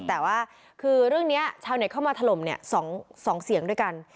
แต่ว่าข้อในเรื่องนี้ชาวเราเข้ามาถล่มนี้ถ้านักหน้าสองเสียงด้วยกัน